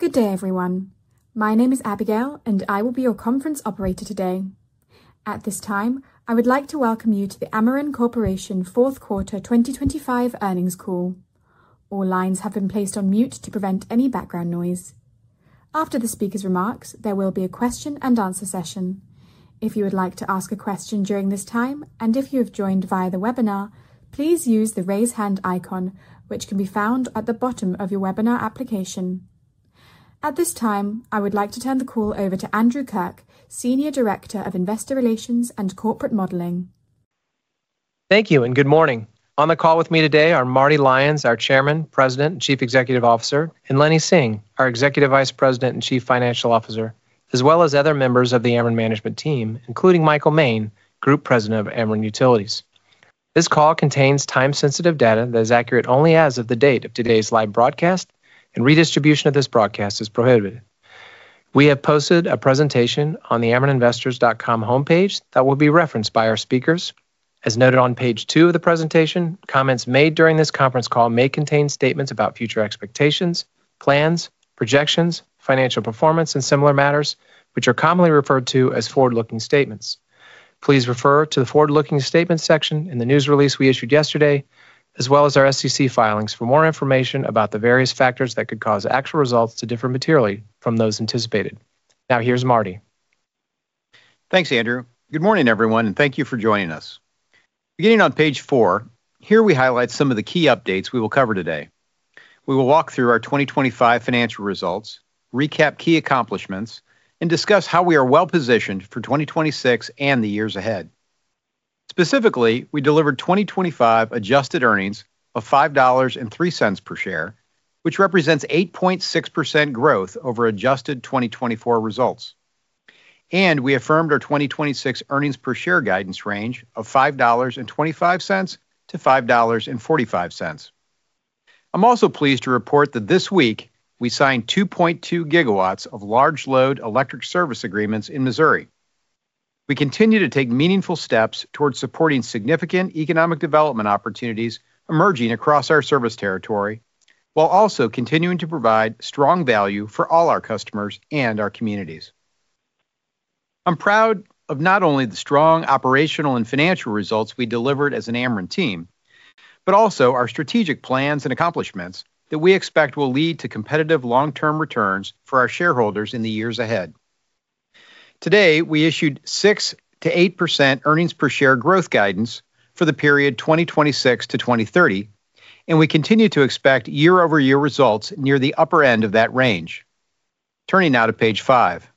Good day, everyone. My name is Abigail, and I will be your conference operator today. At this time, I would like to welcome you to the Ameren Corporation fourth quarter 2025 earnings call. All lines have been placed on mute to prevent any background noise. After the speaker's remarks, there will be a question and answer session. If you would like to ask a question during this time, and if you have joined via the webinar, please use the Raise Hand icon, which can be found at the bottom of your webinar application. At this time, I would like to turn the call over to Andrew Kirk, Senior Director of Investor Relations and Corporate Modeling. Thank you, and good morning. On the call with me today are Marty Lyons, our Chairman, President, and Chief Executive Officer, and Lenny Singh, our Executive Vice President and Chief Financial Officer, as well as other members of the Ameren management team, including Michael Moehn, Group President, Ameren Utilities. This call contains time-sensitive data that is accurate only as of the date of today's live broadcast, and redistribution of this broadcast is prohibited. We have posted a presentation on the amereninvestors.com homepage that will be referenced by our speakers. As noted on page two of the presentation, comments made during this conference call may contain statements about future expectations, plans, projections, financial performance, and similar matters, which are commonly referred to as forward-looking statements. Please refer to the forward-looking statement section in the news release we issued yesterday, as well as our SEC filings, for more information about the various factors that could cause actual results to differ materially from those anticipated. Now, here's Marty. Thanks, Andrew. Good morning, everyone, and thank you for joining us. Beginning on page four, here we highlight some of the key updates we will cover today. We will walk through our 2025 financial results, recap key accomplishments, and discuss how we are well-positioned for 2026 and the years ahead. Specifically, we delivered 2025 adjusted earnings of $5.03 per share, which represents 8.6% growth over adjusted 2024 results. We affirmed our 2026 earnings per share guidance range of $5.25-$5.45. I'm also pleased to report that this week we signed 2.2 GW of large load electric service agreements in Missouri. We continue to take meaningful steps towards supporting significant economic development opportunities emerging across our service territory, while also continuing to provide strong value for all our customers and our communities. I'm proud of not only the strong operational and financial results we delivered as an Ameren team, but also our strategic plans and accomplishments that we expect will lead to competitive long-term returns for our shareholders in the years ahead. Today, we issued 6%-8% earnings per share growth guidance for the period 2026-2030, and we continue to expect year-over-year results near the upper end of that range. Turning now to page five.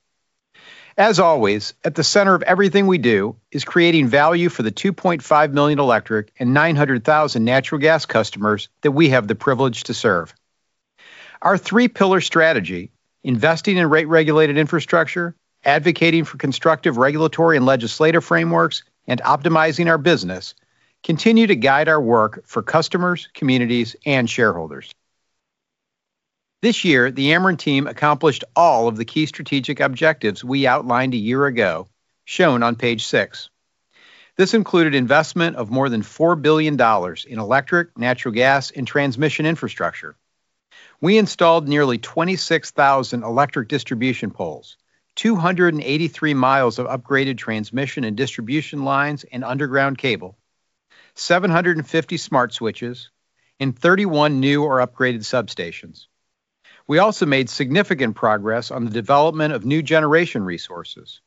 As always, at the center of everything we do is creating value for the 2.5 million electric and 900,000 natural gas customers that we have the privilege to serve. Our three-pillar strategy, investing in rate-regulated infrastructure, advocating for constructive regulatory and legislative frameworks, and optimizing our business, continue to guide our work for customers, communities, and shareholders. This year, the Ameren team accomplished all of the key strategic objectives we outlined a year ago, shown on page six. This included investment of more than $4 billion in electric, natural gas, and transmission infrastructure. We installed nearly 26,000 electric distribution poles, 283 miles of upgraded transmission and distribution lines and underground cable, 750 smart switches, and 31 new or upgraded substations. We also made significant progress on the development of new generation resources.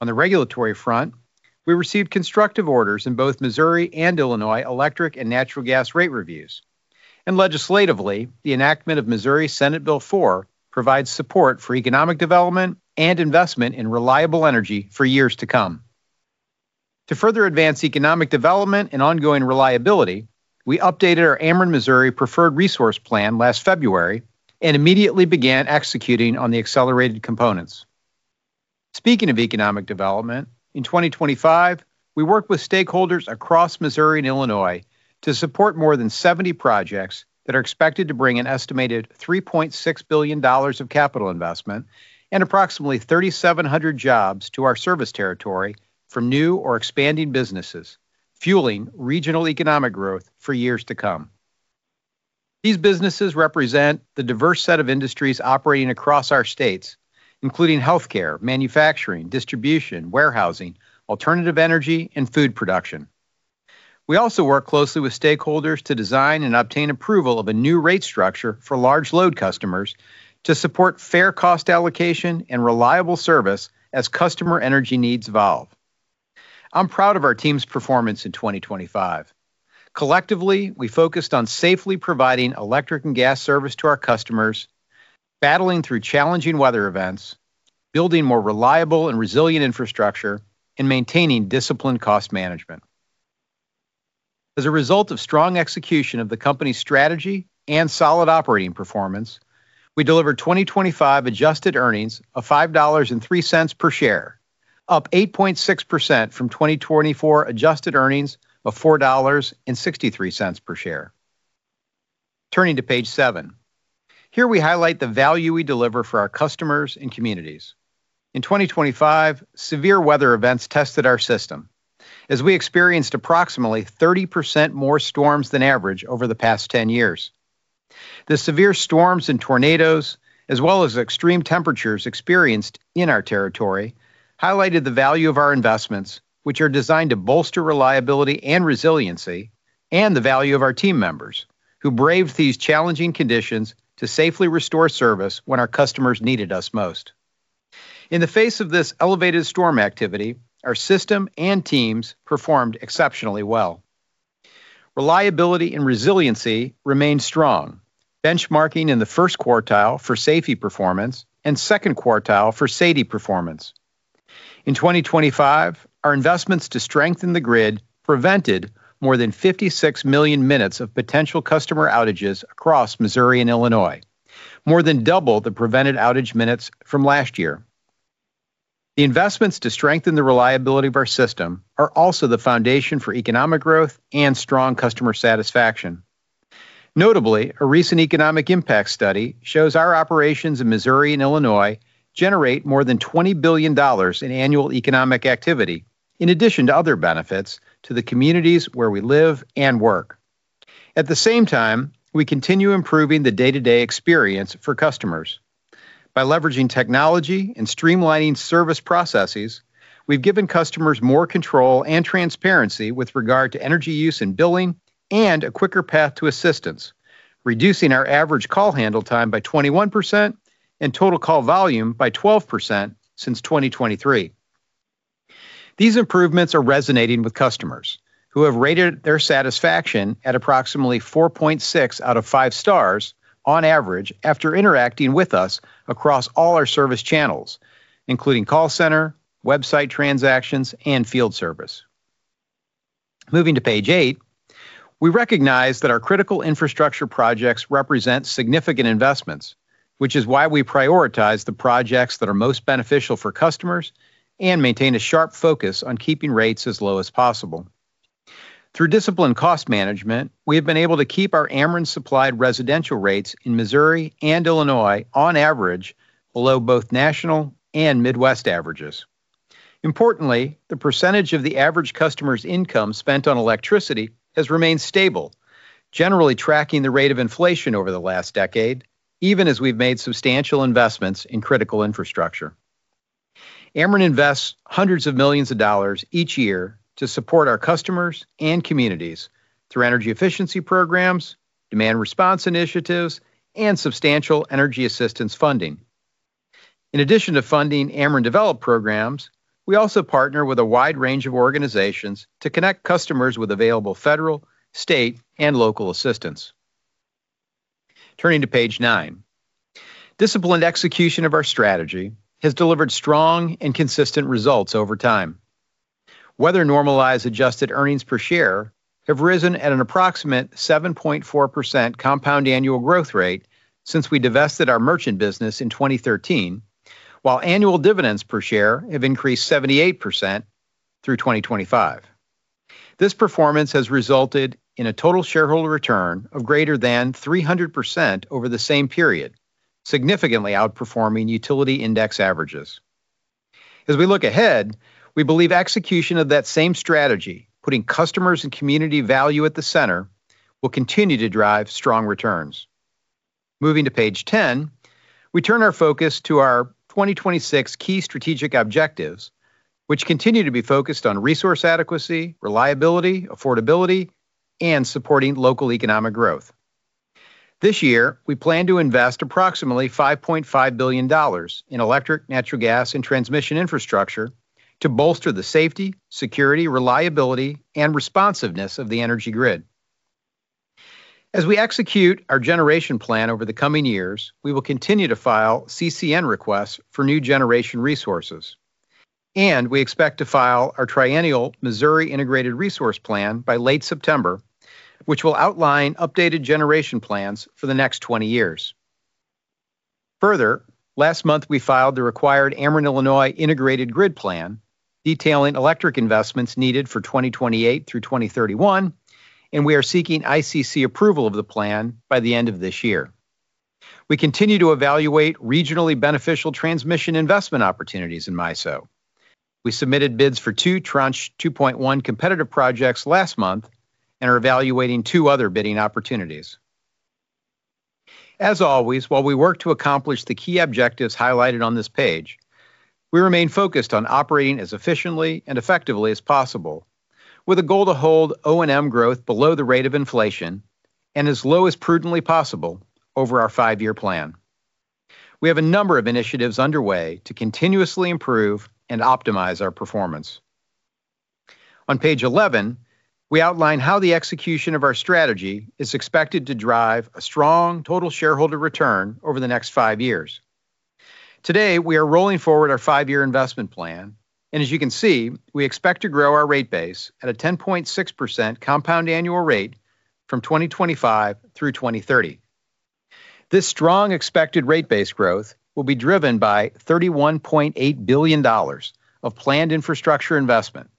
On the regulatory front, we received constructive orders in both Missouri and Illinois electric and natural gas rate reviews. Legislatively, the enactment of Missouri Senate Bill 4 provides support for economic development and investment in reliable energy for years to come. To further advance economic development and ongoing reliability, we updated our Ameren Missouri Preferred Resource Plan last February and immediately began executing on the accelerated components. Speaking of economic development, in 2025, we worked with stakeholders across Missouri and Illinois to support more than 70 projects that are expected to bring an estimated $3.6 billion of capital investment and approximately 3,700 jobs to our service territory from new or expanding businesses, fueling regional economic growth for years to come. These businesses represent the diverse set of industries operating across our states, including healthcare, manufacturing, distribution, warehousing, alternative energy, and food production. We also work closely with stakeholders to design and obtain approval of a new rate structure for large load customers to support fair cost allocation and reliable service as customer energy needs evolve. I'm proud of our team's performance in 2025. Collectively, we focused on safely providing electric and gas service to our customers, battling through challenging weather events, building more reliable and resilient infrastructure, and maintaining disciplined cost management. As a result of strong execution of the company's strategy and solid operating performance, we delivered 2025 adjusted earnings of $5.03 per share, up 8.6% from 2024 adjusted earnings of $4.63 per share. Turning to page seven. Here we highlight the value we deliver for our customers and communities. In 2025, severe weather events tested our system as we experienced approximately 30% more storms than average over the past 10 years. The severe storms and tornadoes, as well as extreme temperatures experienced in our territory, highlighted the value of our investments, which are designed to bolster reliability and resiliency, and the value of our team members, who braved these challenging conditions to safely restore service when our customers needed us most. In the face of this elevated storm activity, our system and teams performed exceptionally well. Reliability and resiliency remained strong, benchmarking in the first quartile for safety performance and second quartile for SAIDI performance. In 2025, our investments to strengthen the grid prevented more than 56 million minutes of potential customer outages across Missouri and Illinois, more than double the prevented outage minutes from last year. The investments to strengthen the reliability of our system are also the foundation for economic growth and strong customer satisfaction. Notably, a recent economic impact study shows our operations in Missouri and Illinois generate more than $20 billion in annual economic activity, in addition to other benefits to the communities where we live and work. At the same time, we continue improving the day-to-day experience for customers. By leveraging technology and streamlining service processes, we've given customers more control and transparency with regard to energy use and billing, and a quicker path to assistance, reducing our average call handle time by 21% and total call volume by 12% since 2023. These improvements are resonating with customers, who have rated their satisfaction at approximately 4.6 out of 5 stars on average after interacting with us across all our service channels, including call center, website transactions, and field service. Moving to page eight, we recognize that our critical infrastructure projects represent significant investments, which is why we prioritize the projects that are most beneficial for customers and maintain a sharp focus on keeping rates as low as possible. Through disciplined cost management, we have been able to keep our Ameren-supplied residential rates in Missouri and Illinois, on average, below both national and Midwest averages. Importantly, the percentage of the average customer's income spent on electricity has remained stable, generally tracking the rate of inflation over the last decade, even as we've made substantial investments in critical infrastructure. Ameren invests $hundreds of millions each year to support our customers and communities through energy efficiency programs, demand response initiatives, and substantial energy assistance funding. In addition to funding Ameren-developed programs, we also partner with a wide range of organizations to connect customers with available federal, state, and local assistance. Turning to page nine. Disciplined execution of our strategy has delivered strong and consistent results over time. Weather-normalized adjusted earnings per share have risen at an approximate 7.4% compound annual growth rate since we divested our merchant business in 2013, while annual dividends per share have increased 78% through 2025. This performance has resulted in a total shareholder return of greater than 300% over the same period, significantly outperforming utility index averages. As we look ahead, we believe execution of that same strategy, putting customers and community value at the center, will continue to drive strong returns. Moving to page ten, we turn our focus to our 2026 key strategic objectives, which continue to be focused on resource adequacy, reliability, affordability, and supporting local economic growth. This year, we plan to invest approximately $5.5 billion in electric, natural gas, and transmission infrastructure to bolster the safety, security, reliability, and responsiveness of the energy grid. As we execute our generation plan over the coming years, we will continue to file CCN requests for new generation resources, and we expect to file our triennial Missouri Integrated Resource Plan by late September, which will outline updated generation plans for the next 20 years. Further, last month, we filed the required Ameren Illinois Integrated Grid Plan, detailing electric investments needed for 2028 through 2031, and we are seeking ICC approval of the plan by the end of this year. We continue to evaluate regionally beneficial transmission investment opportunities in MISO. We submitted bids for two Tranche 2.1 competitive projects last month and are evaluating two other bidding opportunities. As always, while we work to accomplish the key objectives highlighted on this page, we remain focused on operating as efficiently and effectively as possible with a goal to hold O&M growth below the rate of inflation and as low as prudently possible over our 5-year plan. We have a number of initiatives underway to continuously improve and optimize our performance. On page 11, we outline how the execution of our strategy is expected to drive a strong total shareholder return over the next 5 years. Today, we are rolling forward our 5-year investment plan, and as you can see, we expect to grow our rate base at a 10.6% compound annual rate from 2025 through 2030. This strong expected rate base growth will be driven by $31.8 billion of planned infrastructure investment,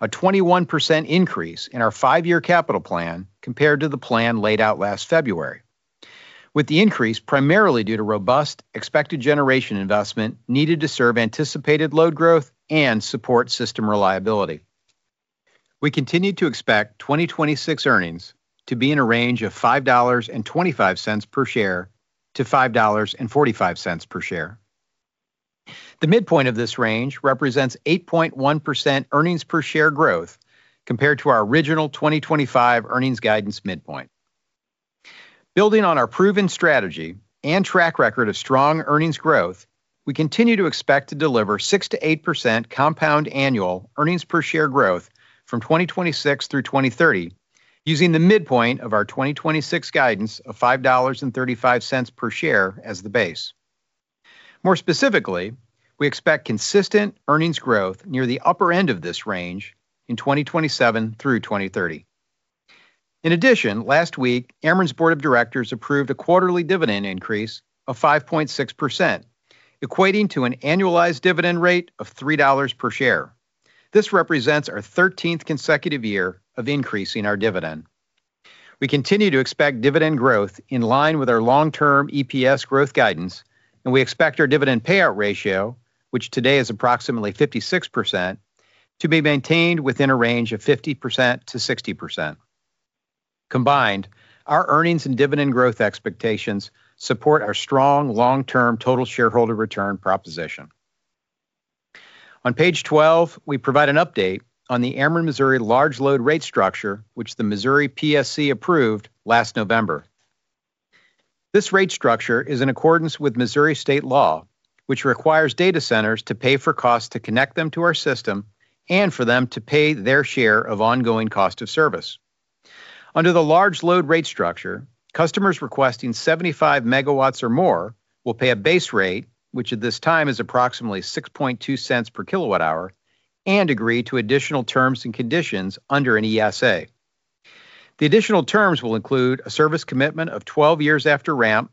a 21% increase in our 5-year capital plan compared to the plan laid out last February. With the increase primarily due to robust expected generation investment needed to serve anticipated load growth and support system reliability. We continue to expect 2026 earnings to be in a range of $5.25 per share-$5.45 per share. The midpoint of this range represents 8.1% earnings per share growth compared to our original 2025 earnings guidance midpoint. Building on our proven strategy and track record of strong earnings growth, we continue to expect to deliver 6%-8% compound annual earnings per share growth from 2026 through 2030, using the midpoint of our 2026 guidance of $5.35 per share as the base. More specifically, we expect consistent earnings growth near the upper end of this range in 2027 through 2030. In addition, last week, Ameren's Board of Directors approved a quarterly dividend increase of 5.6%, equating to an annualized dividend rate of $3 per share. This represents our thirteenth consecutive year of increasing our dividend. We continue to expect dividend growth in line with our long-term EPS growth guidance, and we expect our dividend payout ratio, which today is approximately 56%, to be maintained within a range of 50%-60%. Combined, our earnings and dividend growth expectations support our strong long-term total shareholder return proposition. On page 12, we provide an update on the Ameren Missouri Large Load Rate Structure, which the Missouri PSC approved last November. This rate structure is in accordance with Missouri State Law, which requires data centers to pay for costs to connect them to our system and for them to pay their share of ongoing cost of service. Under the large load rate structure, customers requesting 75 megawatts or more will pay a base rate, which at this time is approximately $0.062 per kWh, and agree to additional terms and conditions under an ESA. The additional terms will include a service commitment of 12 years after ramp,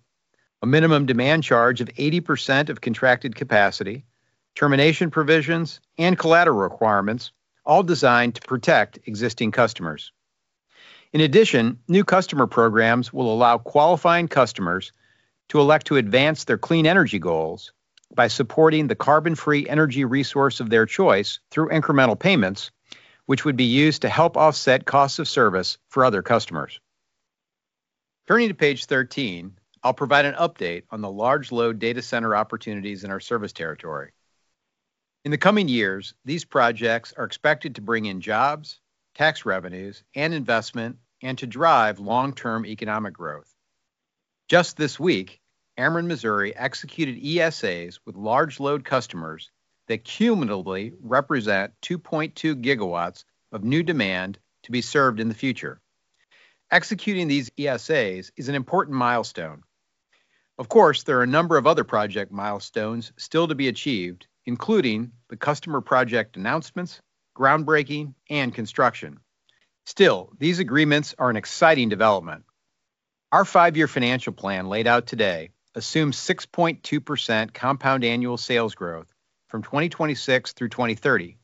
a minimum demand charge of 80% of contracted capacity, termination provisions, and collateral requirements, all designed to protect existing customers. In addition, new customer programs will allow qualifying customers to elect to advance their clean energy goals by supporting the carbon-free energy resource of their choice through incremental payments, which would be used to help offset costs of service for other customers. Turning to page 13, I'll provide an update on the large load data center opportunities in our service territory. In the coming years, these projects are expected to bring in jobs, tax revenues, and investment, and to drive long-term economic growth. Just this week, Ameren Missouri executed ESAs with large load customers that cumulatively represent 2.2 gigawatts of new demand to be served in the future. Executing these ESAs is an important milestone. Of course, there are a number of other project milestones still to be achieved, including the customer project announcements, groundbreaking, and construction. Still, these agreements are an exciting development. Our five-year financial plan laid out today assumes 6.2% compound annual sales growth from 2026 through 2030,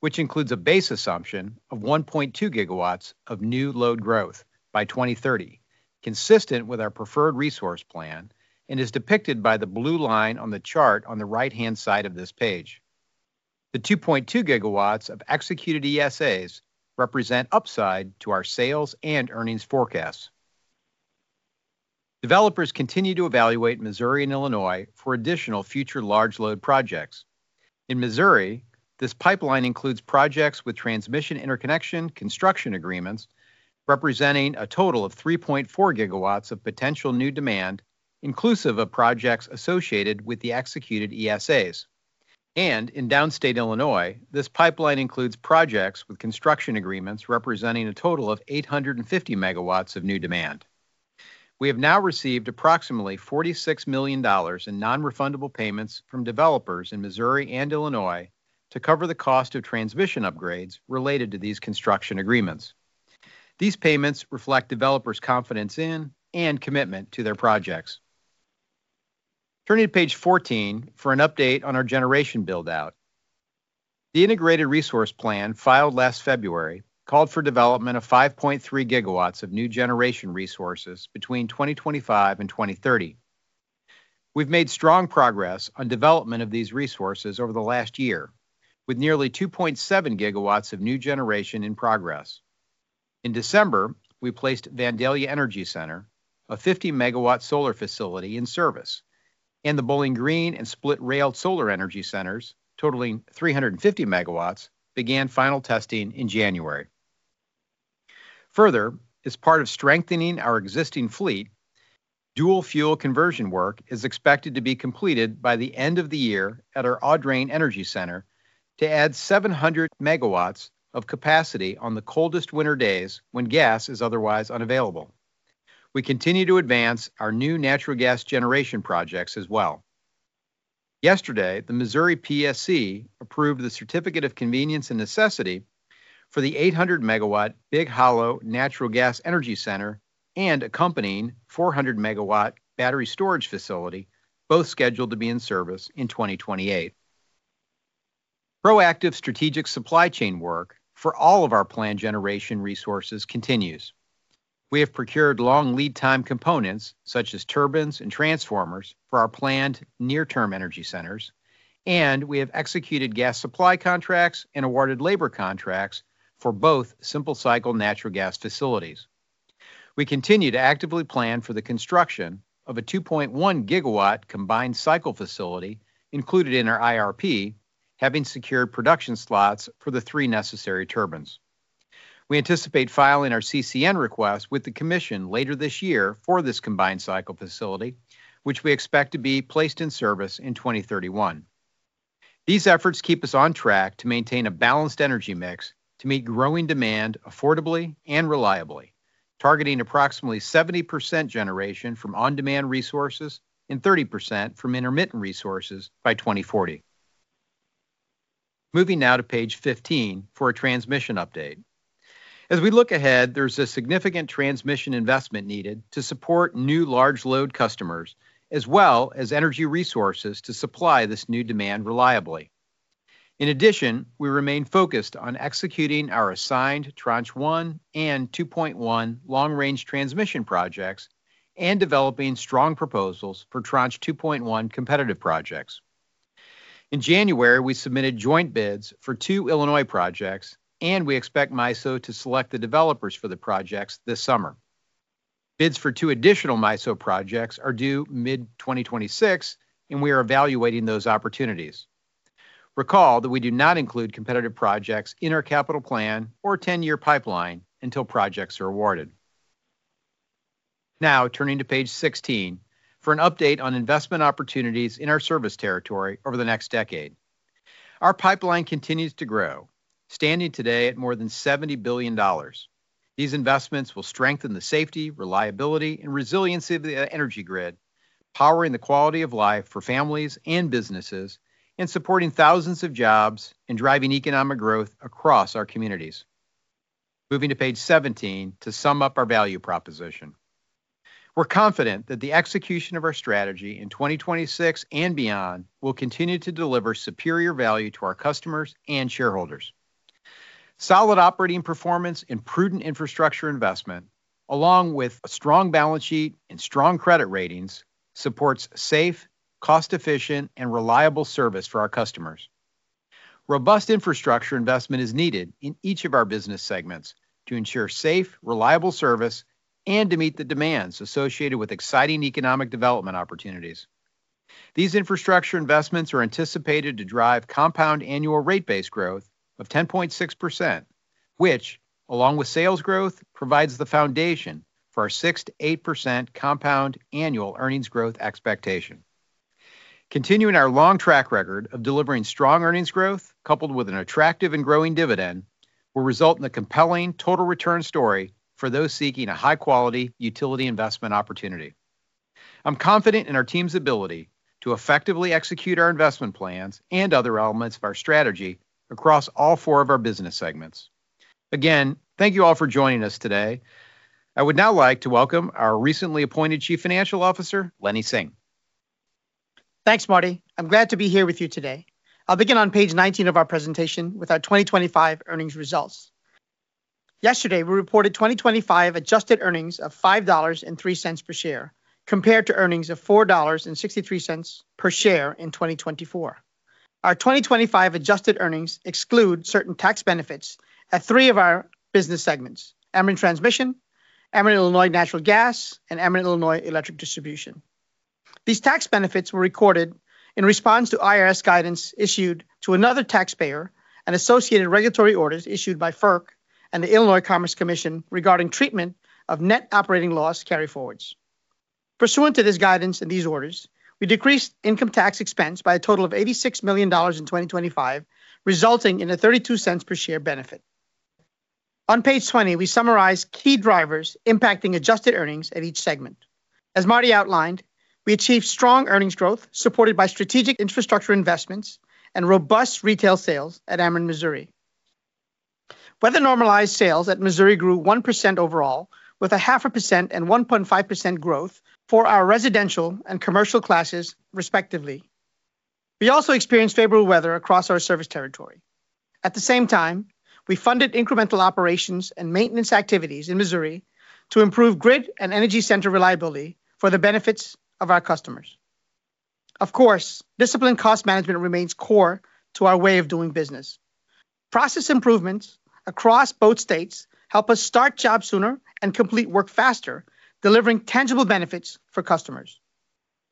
which includes a base assumption of 1.2 gigawatts of new load growth by 2030, consistent with our preferred resource plan and is depicted by the blue line on the chart on the right-hand side of this page. The 2.2 GW of executed ESAs represent upside to our sales and earnings forecasts. Developers continue to evaluate Missouri and Illinois for additional future large load projects. In Missouri, this pipeline includes projects with transmission interconnection construction agreements representing a total of 3.4 GW of potential new demand, inclusive of projects associated with the executed ESAs. And in downstate Illinois, this pipeline includes projects with construction agreements representing a total of 850 MW of new demand. We have now received approximately $46 million in non-refundable payments from developers in Missouri and Illinois to cover the cost of transmission upgrades related to these construction agreements. These payments reflect developers' confidence in and commitment to their projects. Turning to page 14 for an update on our generation build-out. The Integrated Resource Plan filed last February called for development of 5.3 gigawatts of new generation resources between 2025 and 2030. We've made strong progress on development of these resources over the last year, with nearly 2.7 gigawatts of new generation in progress. In December, we placed Vandalia Energy Center, a 50-megawatt solar facility, in service, and the Bowling Green and Split Rail Solar Energy Centers, totaling 350 megawatts, began final testing in January. Further, as part of strengthening our existing fleet, dual fuel conversion work is expected to be completed by the end of the year at our Audrain Energy Center to add 700 megawatts of capacity on the coldest winter days when gas is otherwise unavailable. We continue to advance our new natural gas generation projects as well. Yesterday, the Missouri PSC approved the Certificate of Convenience and Necessity for the 800-MW Big Hollow Natural Gas Energy Center and accompanying 400-MW battery storage facility, both scheduled to be in service in 2028. Proactive strategic supply chain work for all of our planned generation resources continues. We have procured long lead time components, such as turbines and transformers, for our planned near-term energy centers, and we have executed gas supply contracts and awarded labor contracts for both simple cycle natural gas facilities. We continue to actively plan for the construction of a 2.1-GW combined cycle facility included in our IRP, having secured production slots for the three necessary turbines. We anticipate filing our CCN request with the commission later this year for this combined cycle facility, which we expect to be placed in service in 2031. These efforts keep us on track to maintain a balanced energy mix to meet growing demand affordably and reliably, targeting approximately 70% generation from on-demand resources and 30% from intermittent resources by 2040. Moving now to page 15 for a transmission update. As we look ahead, there's a significant transmission investment needed to support new large load customers, as well as energy resources to supply this new demand reliably. In addition, we remain focused on executing our assigned Tranche 1 and 2.1 long-range transmission projects and developing strong proposals for Tranche 2.1 competitive projects. In January, we submitted joint bids for two Illinois projects, and we expect MISO to select the developers for the projects this summer. Bids for two additional MISO projects are due mid-2026, and we are evaluating those opportunities. Recall that we do not include competitive projects in our capital plan or ten-year pipeline until projects are awarded. Now, turning to page 16 for an update on investment opportunities in our service territory over the next decade. Our pipeline continues to grow, standing today at more than $70 billion. These investments will strengthen the safety, reliability, and resiliency of the energy grid, powering the quality of life for families and businesses, and supporting thousands of jobs and driving economic growth across our communities. Moving to page 17 to sum up our value proposition. We're confident that the execution of our strategy in 2026 and beyond will continue to deliver superior value to our customers and shareholders. Solid operating performance and prudent infrastructure investment, along with a strong balance sheet and strong credit ratings, supports safe, cost-efficient, and reliable service for our customers. Robust infrastructure investment is needed in each of our business segments to ensure safe, reliable service and to meet the demands associated with exciting economic development opportunities. These infrastructure investments are anticipated to drive compound annual rate base growth of 10.6%, which, along with sales growth, provides the foundation for our 6%-8% compound annual earnings growth expectation. Continuing our long track record of delivering strong earnings growth, coupled with an attractive and growing dividend, will result in a compelling total return story for those seeking a high-quality utility investment opportunity. I'm confident in our team's ability to effectively execute our investment plans and other elements of our strategy across all four of our business segments. Again, thank you all for joining us today. I would now like to welcome our recently appointed Chief Financial Officer, Lenny Singh. Thanks, Marty. I'm glad to be here with you today. I'll begin on page 19 of our presentation with our 2025 earnings results. Yesterday, we reported 2025 adjusted earnings of $5.03 per share, compared to earnings of $4.63 per share in 2024. Our 2025 adjusted earnings exclude certain tax benefits at 3 of our business segments: Ameren Transmission, Ameren Illinois natural gas, and Ameren Illinois Electric Distribution. These tax benefits were recorded in response to IRS guidance issued to another taxpayer and associated regulatory orders issued by FERC and the Illinois Commerce Commission regarding treatment of net operating loss carryforwards. Pursuant to this guidance and these orders, we decreased income tax expense by a total of $86 million in 2025, resulting in a $0.32 per share benefit. On page 20, we summarize key drivers impacting adjusted earnings at each segment. As Marty outlined, we achieved strong earnings growth supported by strategic infrastructure investments and robust retail sales at Ameren Missouri. Weather-normalized sales at Missouri grew 1% overall, with a 0.5% and 1.5% growth for our residential and commercial classes, respectively. We also experienced favorable weather across our service territory. At the same time, we funded incremental operations and maintenance activities in Missouri to improve grid and energy center reliability for the benefits of our customers. Of course, disciplined cost management remains core to our way of doing business. Process improvements across both states help us start jobs sooner and complete work faster, delivering tangible benefits for customers.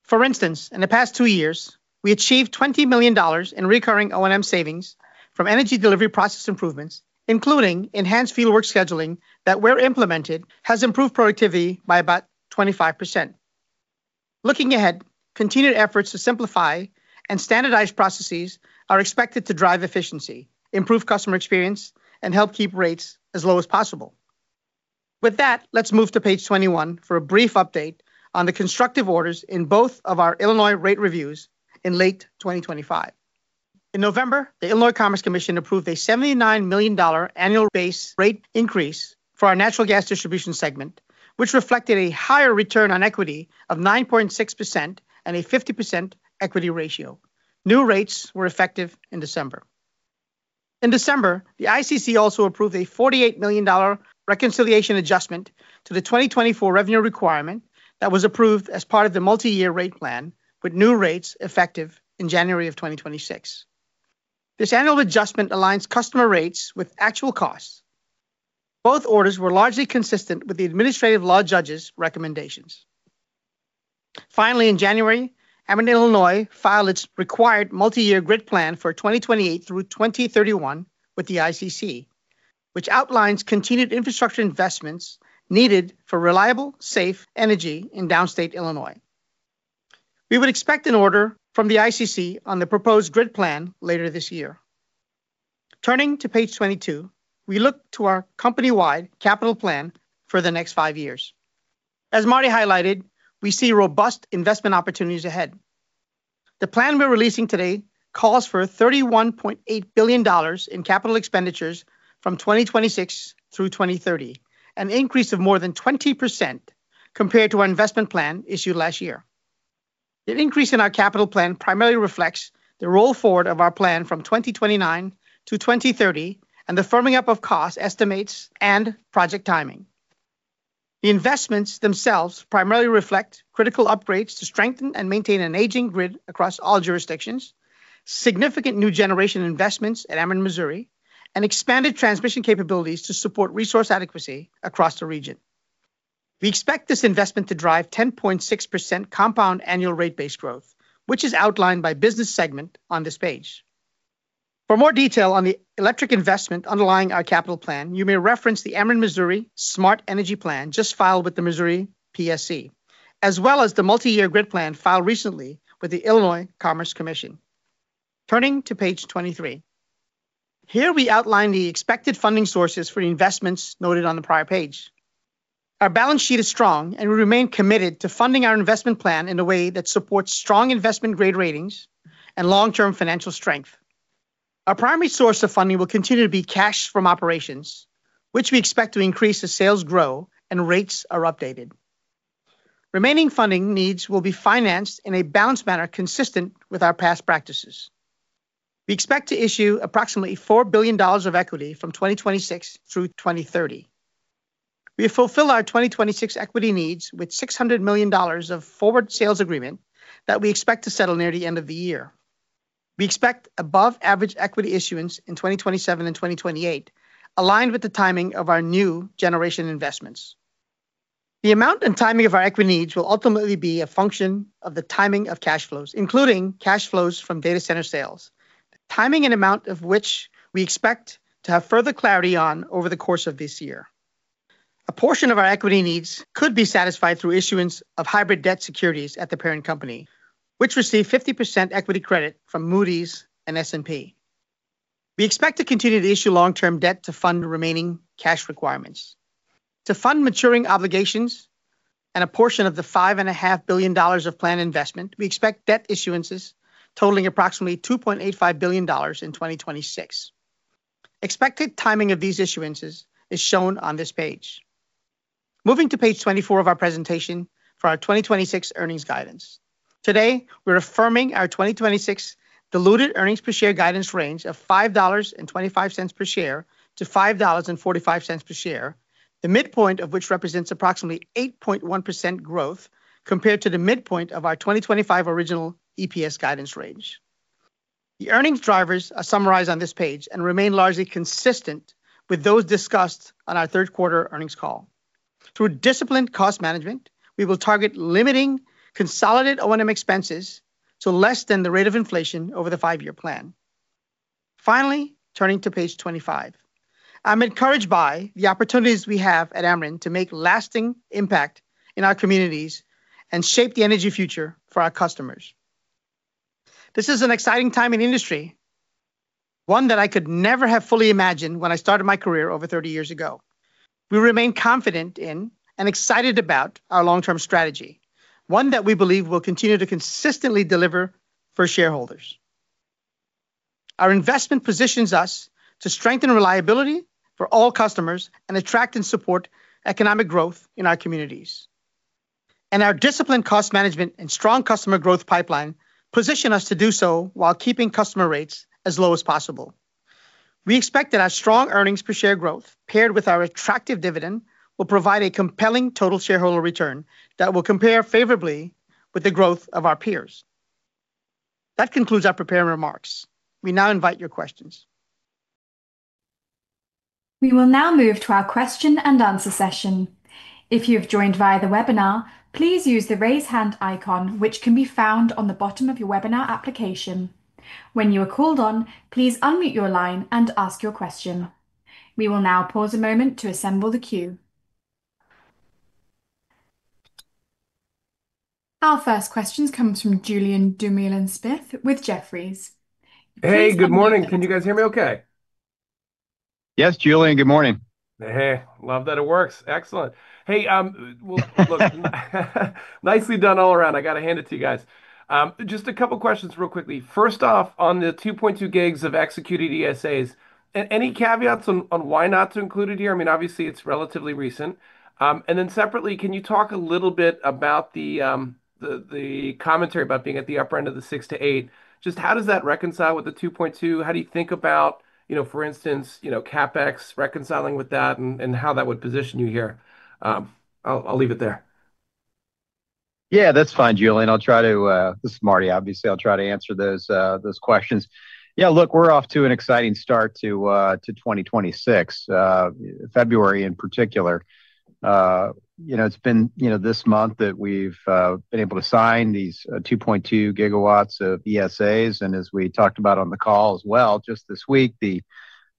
For instance, in the past 2 years, we achieved $20 million in recurring O&M savings from energy delivery process improvements, including enhanced field work scheduling that, where implemented, has improved productivity by about 25%. Looking ahead, continued efforts to simplify and standardize processes are expected to drive efficiency, improve customer experience, and help keep rates as low as possible. With that, let's move to page 21 for a brief update on the constructive orders in both of our Illinois rate reviews in late 2025. In November, the Illinois Commerce Commission approved a $79 million annual base rate increase for our natural gas distribution segment, which reflected a higher return on equity of 9.6% and a 50% equity ratio. New rates were effective in December. In December, the ICC also approved a $48 million reconciliation adjustment to the 2024 revenue requirement that was approved as part of the multi-year rate plan, with new rates effective in January 2026. This annual adjustment aligns customer rates with actual costs. Both orders were largely consistent with the administrative law judge's recommendations. Finally, in January, Ameren Illinois filed its required multi-year grid plan for 2028 through 2031 with the ICC, which outlines continued infrastructure investments needed for reliable, safe energy in downstate Illinois. We would expect an order from the ICC on the proposed grid plan later this year. Turning to page 22, we look to our company-wide capital plan for the next five years. As Marty highlighted, we see robust investment opportunities ahead. The plan we're releasing today calls for $31.8 billion in capital expenditures from 2026 through 2030, an increase of more than 20% compared to our investment plan issued last year. The increase in our capital plan primarily reflects the roll forward of our plan from 2029 to 2030, and the firming up of cost estimates and project timing. The investments themselves primarily reflect critical upgrades to strengthen and maintain an aging grid across all jurisdictions, significant new generation investments at Ameren Missouri, and expanded transmission capabilities to support resource adequacy across the region. We expect this investment to drive 10.6% compound annual rate base growth, which is outlined by business segment on this page. For more detail on the electric investment underlying our capital plan, you may reference the Ameren Missouri Smart Energy Plan, just filed with the Missouri PSC, as well as the multi-year grid plan filed recently with the Illinois Commerce Commission. Turning to page 23. Here we outline the expected funding sources for the investments noted on the prior page. Our balance sheet is strong, and we remain committed to funding our investment plan in a way that supports strong investment grade ratings and long-term financial strength. Our primary source of funding will continue to be cash from operations, which we expect to increase as sales grow and rates are updated. Remaining funding needs will be financed in a balanced manner, consistent with our past practices. We expect to issue approximately $4 billion of equity from 2026 through 2030. We fulfill our 2026 equity needs with $600 million of forward sales agreement that we expect to settle near the end of the year. We expect above-average equity issuance in 2027 and 2028, aligned with the timing of our new generation investments. The amount and timing of our equity needs will ultimately be a function of the timing of cash flows, including cash flows from data center sales, the timing and amount of which we expect to have further clarity on over the course of this year. A portion of our equity needs could be satisfied through issuance of hybrid debt securities at the parent company, which receive 50% equity credit from Moody's and S&P. We expect to continue to issue long-term debt to fund the remaining cash requirements. To fund maturing obligations and a portion of the $5.5 billion of planned investment, we expect debt issuances totaling approximately $2.85 billion in 2026. Expected timing of these issuances is shown on this page. Moving to page 24 of our presentation for our 2026 earnings guidance. Today, we're affirming our 2026 diluted earnings per share guidance range of $5.25 per share to $5.45 per share, the midpoint of which represents approximately 8.1% growth compared to the midpoint of our 2025 original EPS guidance range. The earnings drivers are summarized on this page and remain largely consistent with those discussed on our third quarter earnings call. Through disciplined cost management, we will target limiting consolidated O&M expenses to less than the rate of inflation over the 5-year plan. Finally, turning to page 25. I'm encouraged by the opportunities we have at Ameren to make lasting impact in our communities and shape the energy future for our customers. This is an exciting time in the industry, one that I could never have fully imagined when I started my career over 30 years ago. We remain confident in and excited about our long-term strategy, one that we believe will continue to consistently deliver for shareholders. Our investment positions us to strengthen reliability for all customers and attract and support economic growth in our communities. And our disciplined cost management and strong customer growth pipeline position us to do so while keeping customer rates as low as possible. We expect that our strong earnings per share growth, paired with our attractive dividend, will provide a compelling total shareholder return that will compare favorably with the growth of our peers. That concludes our prepared remarks. We now invite your questions. We will now move to our question and answer session. If you have joined via the webinar, please use the Raise Hand icon, which can be found on the bottom of your webinar application. When you are called on, please unmute your line and ask your question. We will now pause a moment to assemble the queue. Our first question comes from Julian Dumoulin-Smith with Jefferies. Please unmute- Hey, good morning. Can you guys hear me okay? Yes, Julian, good morning. Hey, love that it works. Excellent. Hey, well, look, nicely done all around. I gotta hand it to you guys. Just a couple questions real quickly. First off, on the 2.2 gigs of executed ESAs, any caveats on why not to include it here? I mean, obviously, it's relatively recent. And then separately, can you talk a little bit about the commentary about being at the upper end of the 6-8? Just how does that reconcile with the 2.2? How do you think about, you know, for instance, you know, CapEx reconciling with that and how that would position you here? I'll leave it there.... Yeah, that's fine, Julian. I'll try to. This is Marty, obviously. I'll try to answer those questions. Yeah, look, we're off to an exciting start to 2026, February in particular. You know, it's been, you know, this month that we've been able to sign these 2.2 gigawatts of ESAs. And as we talked about on the call as well, just this week, the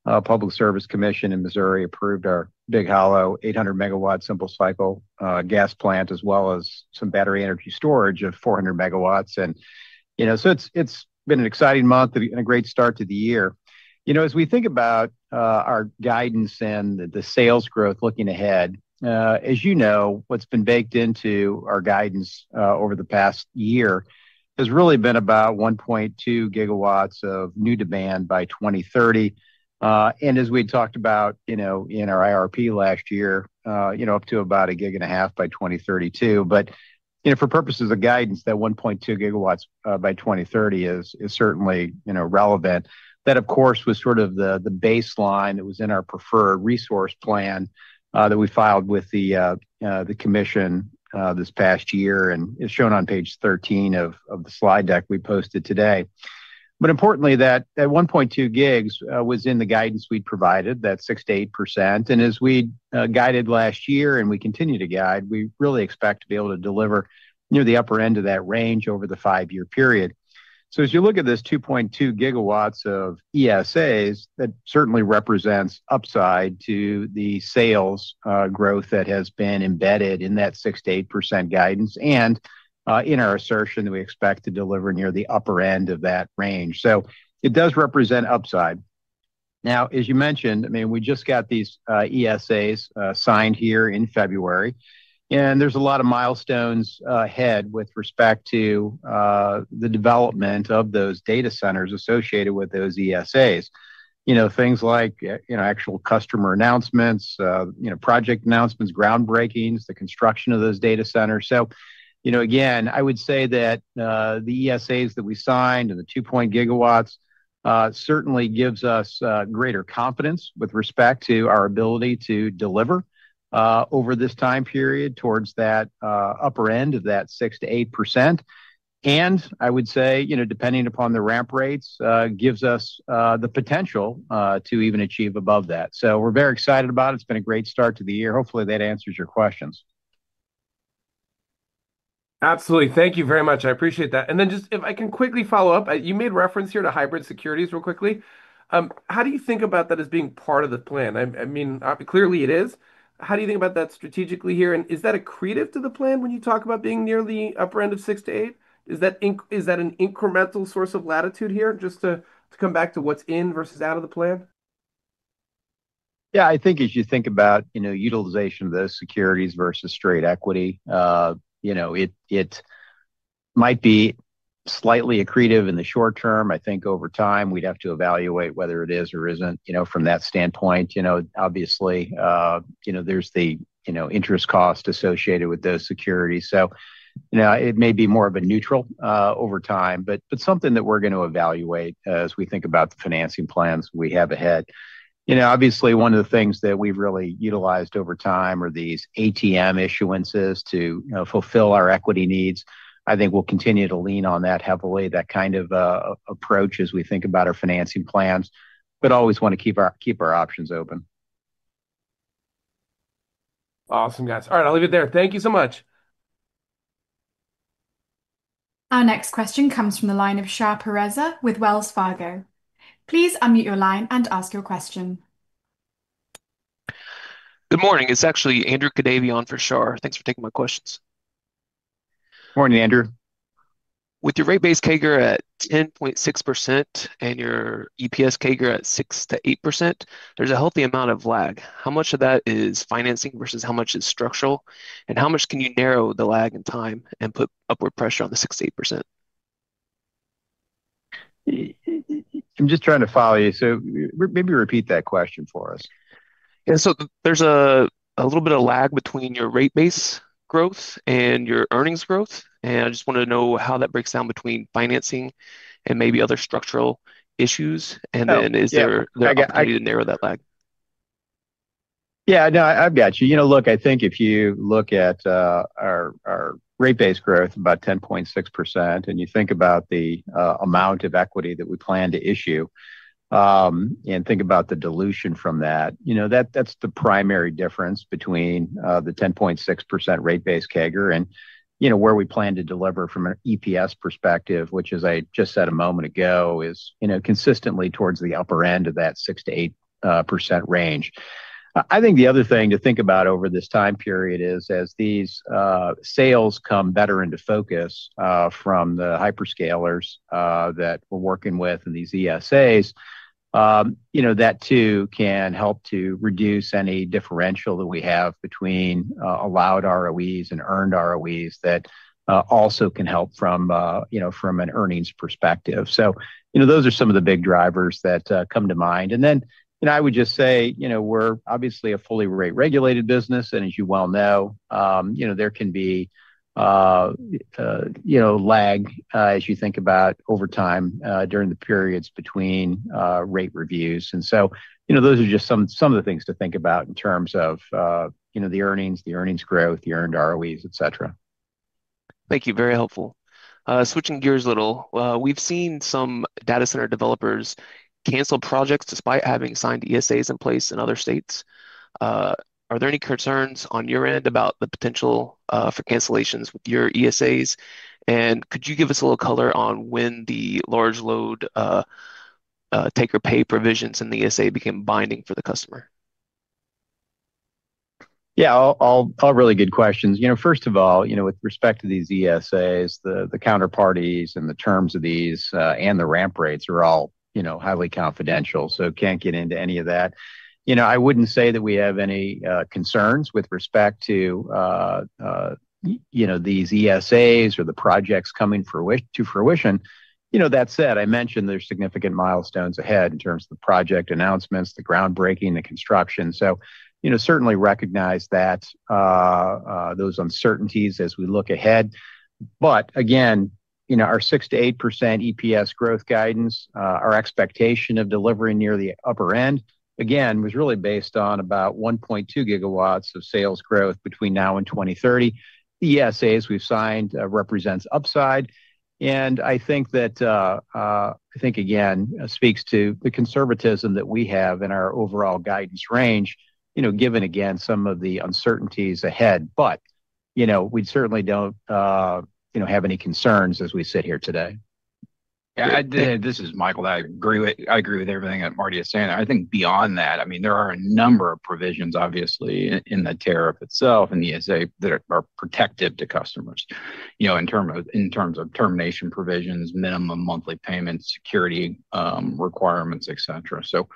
Missouri Public Service Commission approved our Big Hollow 800-megawatt simple cycle gas plant, as well as some battery energy storage of 400 megawatts. And, you know, so it's been an exciting month and a great start to the year. You know, as we think about our guidance and the sales growth looking ahead, as you know, what's been baked into our guidance over the past year has really been about 1.2 gigawatts of new demand by 2030. And as we talked about, you know, in our IRP last year, you know, up to about 1.5 gigawatts by 2032. But, you know, for purposes of guidance, that 1.2 gigawatts by 2030 is certainly, you know, relevant. That, of course, was sort of the baseline that was in our preferred resource plan that we filed with the commission this past year, and is shown on page 13 of the slide deck we posted today. But importantly, that 1.2 gigs was in the guidance we provided, that 6%-8%. And as we guided last year and we continue to guide, we really expect to be able to deliver near the upper end of that range over the five-year period. So as you look at this 2.2 gigawatts of ESAs, that certainly represents upside to the sales growth that has been embedded in that 6%-8% guidance and in our assertion that we expect to deliver near the upper end of that range. So it does represent upside. Now, as you mentioned, I mean, we just got these ESAs signed here in February, and there's a lot of milestones ahead with respect to the development of those data centers associated with those ESAs. You know, things like, you know, actual customer announcements, you know, project announcements, groundbreakings, the construction of those data centers. So, you know, again, I would say that, the ESAs that we signed and the 2 gigawatts, certainly gives us, greater confidence with respect to our ability to deliver, over this time period towards that, upper end of that 6%-8%. And I would say, you know, depending upon the ramp rates, gives us, the potential, to even achieve above that. So we're very excited about it. It's been a great start to the year. Hopefully, that answers your questions. Absolutely. Thank you very much. I appreciate that. Then just if I can quickly follow up, you made reference here to hybrid securities real quickly. How do you think about that as being part of the plan? I mean, clearly it is. How do you think about that strategically here, and is that accretive to the plan when you talk about being near the upper end of 6-8? Is that an incremental source of latitude here, just to come back to what's in versus out of the plan? Yeah, I think as you think about, you know, utilization of those securities versus straight equity, you know, it, it might be slightly accretive in the short term. I think over time, we'd have to evaluate whether it is or isn't, you know, from that standpoint. You know, obviously, you know, there's the, you know, interest cost associated with those securities. So, you know, it may be more of a neutral, over time, but, but something that we're going to evaluate as we think about the financing plans we have ahead. You know, obviously, one of the things that we've really utilized over time are these ATM issuances to fulfill our equity needs. I think we'll continue to lean on that heavily, that kind of approach, as we think about our financing plans, but always want to keep our, keep our options open. Awesome, guys. All right, I'll leave it there. Thank you so much. Our next question comes from the line of Shahriar Pourreza with Wells Fargo. Please unmute your line and ask your question. Good morning. It's actually Andrew Kadavian for Shah. Thanks for taking my questions. Morning, Andrew. With your rate base CAGR at 10.6% and your EPS CAGR at 6%-8%, there's a healthy amount of lag. How much of that is financing versus how much is structural? And how much can you narrow the lag in time and put upward pressure on the 6%-8%? I'm just trying to follow you, so maybe repeat that question for us. Yeah, so there's a little bit of lag between your Rate Base growth and your earnings growth, and I just wanted to know how that breaks down between financing and maybe other structural issues. Oh, yeah. And then is there an opportunity to narrow that lag? Yeah, no, I've got you. You know, look, I think if you look at our, our Rate Base growth, about 10.6%, and you think about the amount of equity that we plan to issue, and think about the dilution from that, you know, that's the primary difference between the 10.6% Rate Base CAGR and, you know, where we plan to deliver from an EPS perspective, which, as I just said a moment ago, is, you know, consistently towards the upper end of that 6%-8% range. I think the other thing to think about over this time period is, as these sales come better into focus from the hyperscalers that we're working with in these ESAs, you know, that too can help to reduce any differential that we have between allowed ROEs and earned ROEs that also can help from you know from an earnings perspective. So, you know, those are some of the big drivers that come to mind. And then I would just say, you know, we're obviously a fully rate-regulated business, and as you well know, you know, there can be lag as you think about over time during the periods between rate reviews. You know, those are just some of the things to think about in terms of the earnings, the earnings growth, the earned ROEs, et cetera.... Thank you. Very helpful. Switching gears a little, we've seen some data center developers cancel projects despite having signed ESAs in place in other states. Are there any concerns on your end about the potential for cancellations with your ESAs? And could you give us a little color on when the large load take or pay provisions in the ESA became binding for the customer? Yeah, all really good questions. You know, first of all, you know, with respect to these ESAs, the counterparties and the terms of these, and the ramp rates are all, you know, highly confidential, so can't get into any of that. You know, I wouldn't say that we have any concerns with respect to you know, these ESAs or the projects coming to fruition. You know, that said, I mentioned there's significant milestones ahead in terms of the project announcements, the groundbreaking, the construction. So, you know, certainly recognize that those uncertainties as we look ahead. But again, you know, our 6%-8% EPS growth guidance, our expectation of delivering near the upper end, again, was really based on about 1.2 gigawatts of sales growth between now and 2030. The ESAs we've signed represents upside, and I think that, I think, again, speaks to the conservatism that we have in our overall guidance range, you know, given again, some of the uncertainties ahead. But, you know, we certainly don't, you know, have any concerns as we sit here today. Yeah, this is Michael. I agree with everything that Marty is saying. I think beyond that, I mean, there are a number of provisions, obviously, in the tariff itself and the ESA that are protective to customers, you know, in terms of termination provisions, minimum monthly payments, security requirements, et cetera. So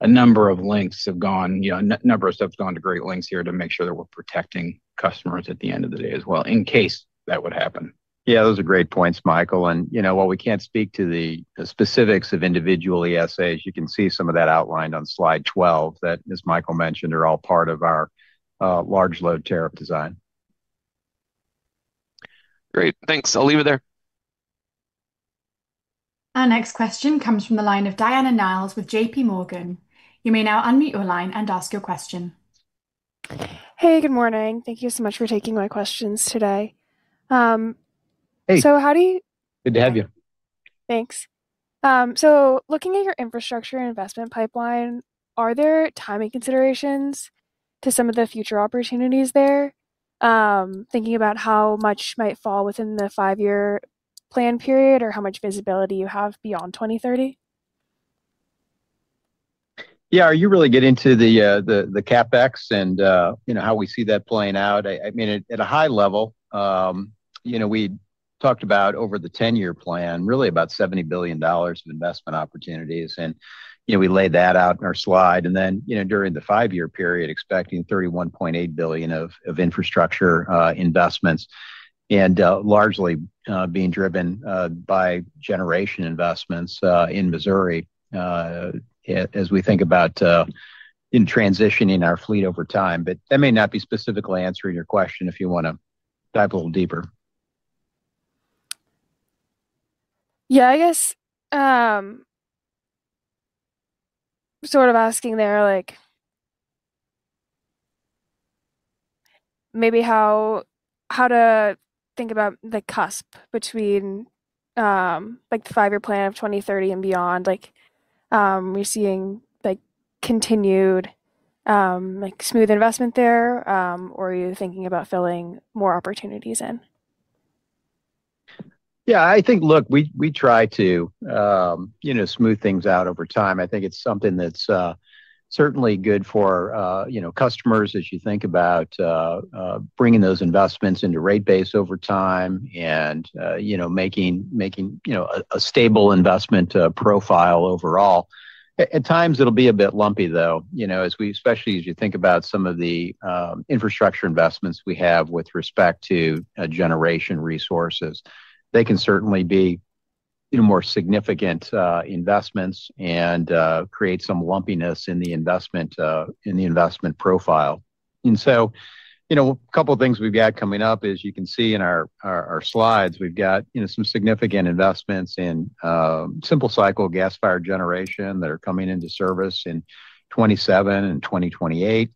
a number of lengths have gone, you know, a number of us have gone to great lengths here to make sure that we're protecting customers at the end of the day as well, in case that would happen. Yeah, those are great points, Michael. And, you know, while we can't speak to the specifics of individual ESAs, you can see some of that outlined on slide 12, that as Michael mentioned, are all part of our large load tariff design. Great, thanks. I'll leave it there. Our next question comes from the line of Diana Niles with J.P. Morgan. You may now unmute your line and ask your question. Hey, good morning. Thank you so much for taking my questions today. So how do you- Hey, good to have you. Thanks. So looking at your infrastructure and investment pipeline, are there timing considerations to some of the future opportunities there? Thinking about how much might fall within the five-year plan period or how much visibility you have beyond 2030. Yeah, you really get into the CapEx and, you know, how we see that playing out. I mean, at a high level, you know, we talked about over the 10-year plan, really about $70 billion of investment opportunities. And, you know, we laid that out in our slide, and then, you know, during the 5-year period, expecting $31.8 billion of infrastructure investments, and largely being driven by generation investments in Missouri, as we think about in transitioning our fleet over time. But that may not be specifically answering your question, if you want to dive a little deeper. Yeah, I guess, sort of asking there, like, maybe how, how to think about the cusp between, like, the five-year plan of 2030 and beyond. Like, are you seeing, like, continued, like, smooth investment there? Or are you thinking about filling more opportunities in? Yeah, I think, look, we try to, you know, smooth things out over time. I think it's something that's certainly good for, you know, customers as you think about bringing those investments into rate base over time and, you know, making, you know, a stable investment profile overall. At times, it'll be a bit lumpy, though, you know, as we, especially as you think about some of the infrastructure investments we have with respect to generation resources. They can certainly be, you know, more significant investments and create some lumpiness in the investment profile. You know, a couple of things we've got coming up, as you can see in our slides, we've got, you know, some significant investments in simple cycle gas-fired generation that are coming into service in 2027 and 2028.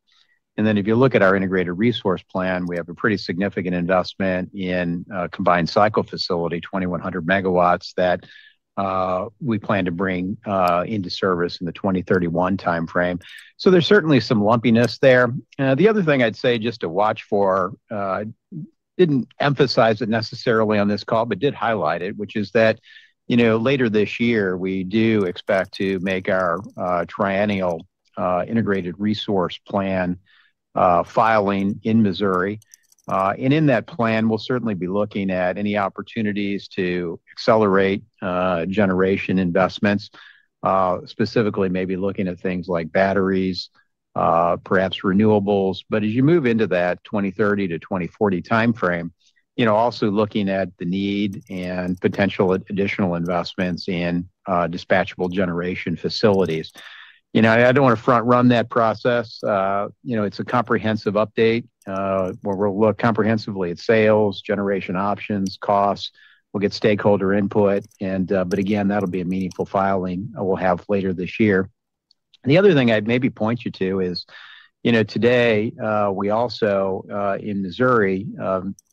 And then if you look at our integrated resource plan, we have a pretty significant investment in combined cycle facility, 2,100 megawatts, that we plan to bring into service in the 2031 timeframe. So there's certainly some lumpiness there. The other thing I'd say, just to watch for, didn't emphasize it necessarily on this call, but did highlight it, which is that, you know, later this year, we do expect to make our triennial integrated resource plan filing in Missouri. And in that plan, we'll certainly be looking at any opportunities to accelerate generation investments, specifically maybe looking at things like batteries, perhaps renewables. But as you move into that 2030-2040 timeframe, you know, also looking at the need and potential additional investments in dispatchable generation facilities. You know, I don't want to front run that process. You know, it's a comprehensive update where we'll look comprehensively at sales, generation options, costs. We'll get stakeholder input, and... But again, that'll be a meaningful filing we'll have later this year. And the other thing I'd maybe point you to is, you know, today we also in Missouri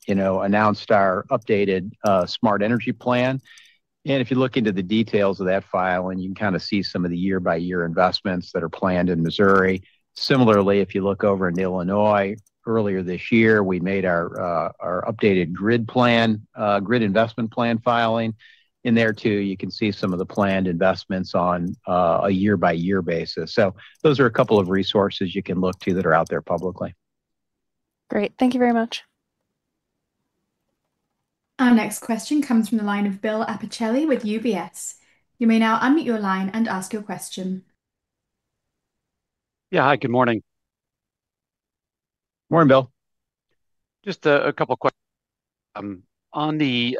you know announced our updated Smart Energy Plan. And if you look into the details of that filing, you can kind of see some of the year-by-year investments that are planned in Missouri. Similarly, if you look over in Illinois, earlier this year, we made our, our updated grid plan, grid investment plan filing. In there, too, you can see some of the planned investments on, a year-by-year basis. So those are a couple of resources you can look to that are out there publicly. Great. Thank you very much. Our next question comes from the line of William Appicelli with UBS. You may now unmute your line and ask your question. Yeah, hi, good morning. Morning, Will. Just a couple questions. On the, you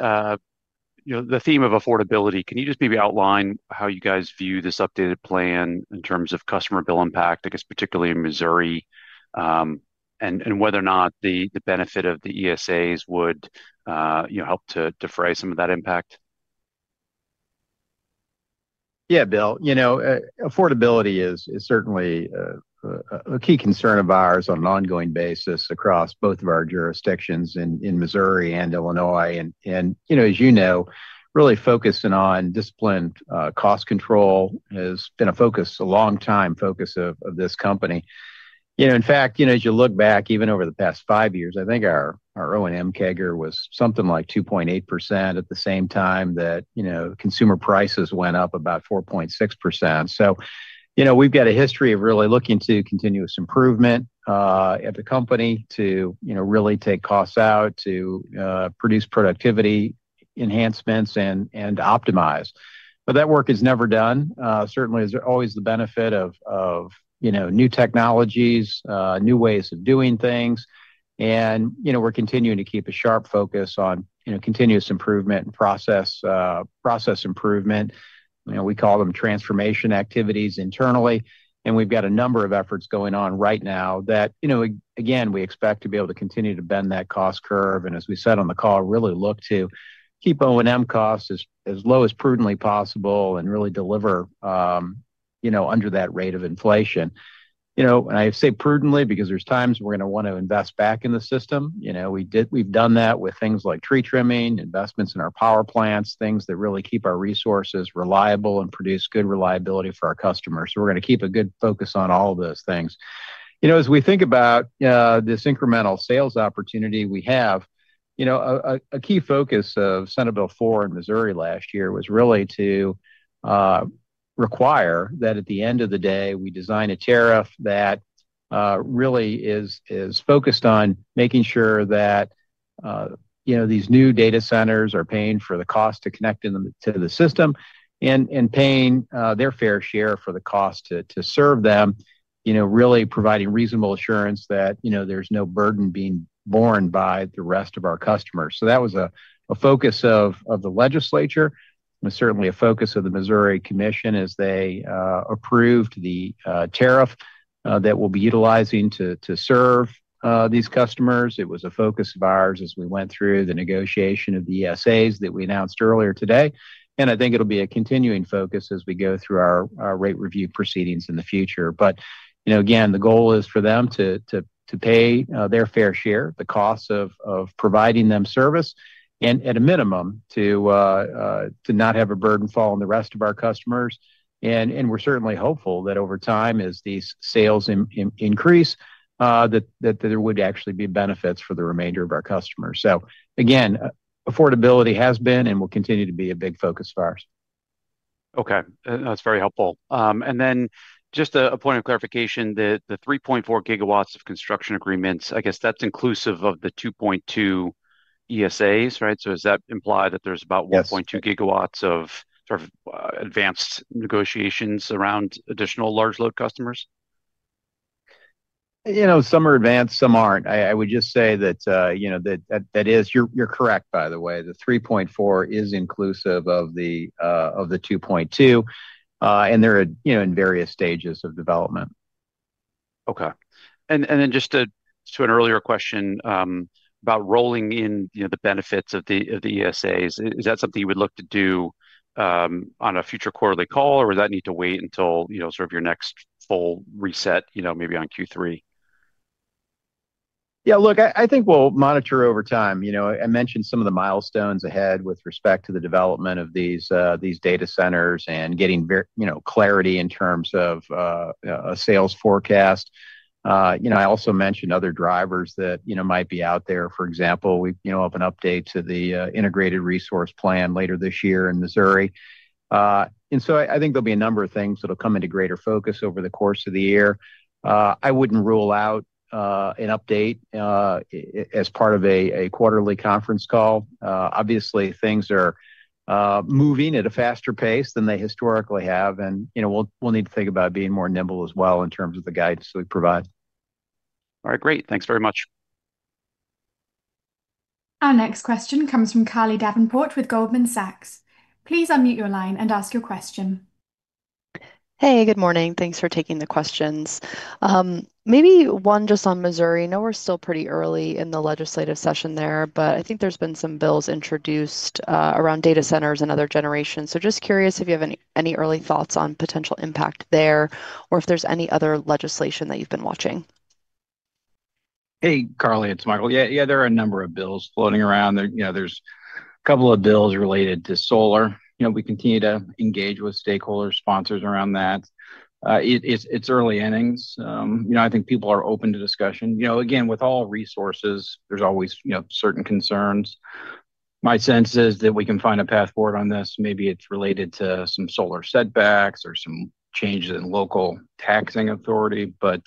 know, the theme of affordability, can you just maybe outline how you guys view this updated plan in terms of customer bill impact, I guess, particularly in Missouri, and whether or not the benefit of the ESAs would, you know, help to defray some of that impact? Yeah, Bill, you know, affordability is, is certainly a key concern of ours on an ongoing basis across both of our jurisdictions in Missouri and Illinois. And, and, you know, as you know, really focusing on disciplined cost control has been a focus, a long time focus of this company. You know, in fact, you know, as you look back even over the past five years, I think our O&M CAGR was something like 2.8% at the same time that, you know, consumer prices went up about 4.6%. So, you know, we've got a history of really looking to continuous improvement at the company to, you know, really take costs out, to produce productivity enhancements, and optimize. But that work is never done. Certainly, there's always the benefit of, you know, new technologies, new ways of doing things. You know, we're continuing to keep a sharp focus on, you know, continuous improvement and process improvement. You know, we call them transformation activities internally, and we've got a number of efforts going on right now that, you know, again, we expect to be able to continue to bend that cost curve, and as we said on the call, really look to keep O&M costs as low as prudently possible and really deliver, you know, under that rate of inflation. You know, I say prudently because there's times we're gonna want to invest back in the system. You know, we've done that with things like tree trimming, investments in our power plants, things that really keep our resources reliable and produce good reliability for our customers, so we're gonna keep a good focus on all of those things. You know, as we think about this incremental sales opportunity we have, you know, a key focus of Senate Bill 4 in Missouri last year was really to require that at the end of the day, we design a tariff that really is focused on making sure that, you know, these new data centers are paying for the cost to connect them to the system and paying their fair share for the cost to serve them, you know, really providing reasonable assurance that, you know, there's no burden being borne by the rest of our customers. So that was a focus of the legislature, and certainly a focus of the Missouri Commission as they approved the tariff that we'll be utilizing to serve these customers. It was a focus of ours as we went through the negotiation of the ESAs that we announced earlier today, and I think it'll be a continuing focus as we go through our rate review proceedings in the future. But, you know, again, the goal is for them to pay their fair share, the costs of providing them service, and at a minimum, to not have a burden fall on the rest of our customers. And we're certainly hopeful that over time, as these sales increase, that there would actually be benefits for the remainder of our customers. So again, affordability has been and will continue to be a big focus of ours. Okay. That's very helpful. And then just a point of clarification, the 3.4 gigawatts of construction agreements, I guess that's inclusive of the 2.2 ESAs, right? So does that imply that there's about- Yes... 0.2 GW of sort of advanced negotiations around additional large load customers? You know, some are advanced, some aren't. I, I would just say that, you know, that, that is... You're, you're correct, by the way. The 3.4 is inclusive of the, of the 2.2, and they're at, you know, in various stages of development. Okay. And then just to an earlier question, about rolling in, you know, the benefits of the ESAs, is that something you would look to do, on a future quarterly call, or does that need to wait until, you know, sort of your next full reset, you know, maybe on Q3? Yeah, look, I think we'll monitor over time. You know, I mentioned some of the milestones ahead with respect to the development of these data centers and getting clarity in terms of a sales forecast. You know, I also mentioned other drivers that might be out there. For example, we have an update to the Integrated Resource Plan later this year in Missouri. And so I think there'll be a number of things that'll come into greater focus over the course of the year. I wouldn't rule out an update as part of a quarterly conference call. Obviously, things are moving at a faster pace than they historically have, and, you know, we'll need to think about being more nimble as well in terms of the guidance we provide. All right, great. Thanks very much. Our next question comes from Carly Davenport with Goldman Sachs. Please unmute your line and ask your question. Hey, good morning. Thanks for taking the questions. Maybe one just on Missouri. I know we're still pretty early in the legislative session there, but I think there's been some bills introduced around data centers and other generations. So just curious if you have any, any early thoughts on potential impact there, or if there's any other legislation that you've been watching? ... Hey, Carly, it's Michael. Yeah, yeah, there are a number of bills floating around there. You know, there's a couple of bills related to solar. You know, we continue to engage with stakeholder sponsors around that. It's early innings. You know, I think people are open to discussion. You know, again, with all resources, there's always, you know, certain concerns. My sense is that we can find a path forward on this. Maybe it's related to some solar setbacks or some changes in local taxing authority, but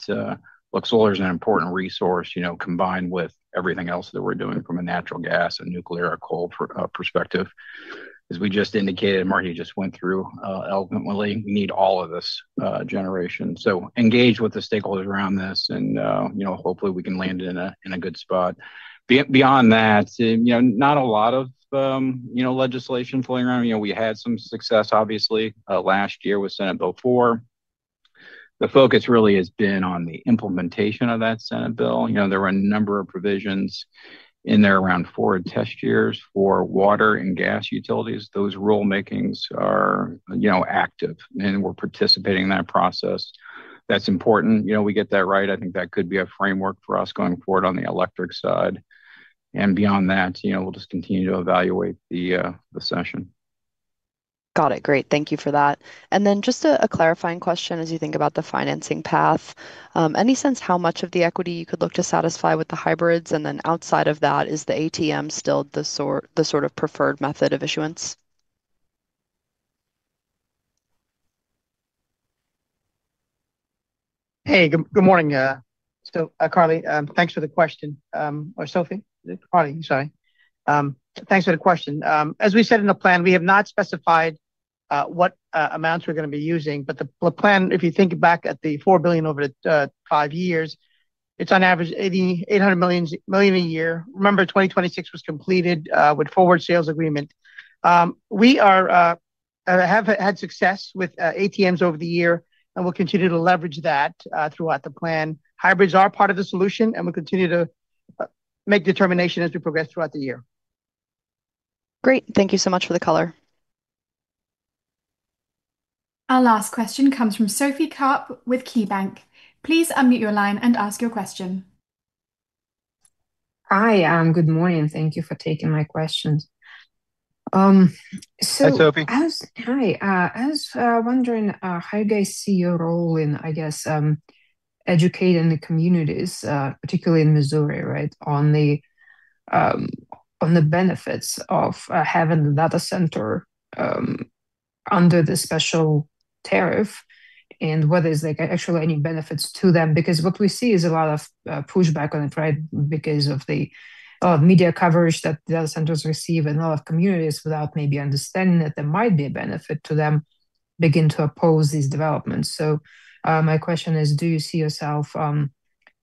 look, solar is an important resource, you know, combined with everything else that we're doing from a natural gas and nuclear or coal perspective. As we just indicated, Marty just went through elegantly, we need all of this generation. So engage with the stakeholders around this and, you know, hopefully, we can land in a, in a good spot. Beyond that, you know, not a lot of, you know, legislation floating around. You know, we had some success, obviously, last year with Senate Bill 4. The focus really has been on the implementation of that Senate bill. You know, there were a number of provisions in there around forward test years for water and gas utilities. Those rulemakings are, you know, active, and we're participating in that process. That's important. You know, we get that right, I think that could be a framework for us going forward on the electric side. And beyond that, you know, we'll just continue to evaluate the, the session. Got it. Great. Thank you for that. And then just a clarifying question as you think about the financing path. Any sense how much of the equity you could look to satisfy with the hybrids, and then outside of that, is the ATM still the sort of preferred method of issuance? Hey, good morning. So, Carly, thanks for the question. Or Sophie? Carly, sorry. Thanks for the question. As we said in the plan, we have not specified what amounts we're gonna be using, but the plan, if you think back at the $4 billion over 5 years, it's on average $800 million a year. Remember, 2026 was completed with forward sales agreement. We have had success with ATMs over the year, and we'll continue to leverage that throughout the plan. Hybrids are part of the solution, and we'll continue to make determination as we progress throughout the year. Great. Thank you so much for the color. Our last question comes from Sophie Karp with KeyBanc. Please unmute your line and ask your question. Hi, good morning, thank you for taking my questions. Hi, Sophie. Hi. I was wondering how you guys see your role in, I guess, educating the communities, particularly in Missouri, right, on the benefits of having the data center under the special tariff, and whether there's, like, actually any benefits to them? Because what we see is a lot of pushback on it, right, because of the media coverage that the other centers receive and a lot of communities, without maybe understanding that there might be a benefit to them, begin to oppose these developments. So, my question is, do you see yourself